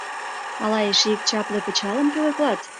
Ала эше ик чапле пычалым пӧлеклат?..